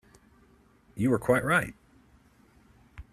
You are quite right.